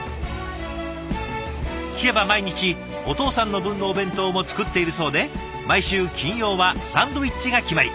聞けば毎日お父さんの分のお弁当も作っているそうで毎週金曜はサンドイッチが決まり。